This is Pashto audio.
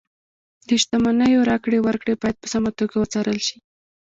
د شتمنیو راکړې ورکړې باید په سمه توګه وڅارل شي.